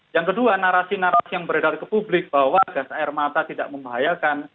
yang kedua narasi narasi yang beredar ke publik bahwa gas air mata tidak membahayakan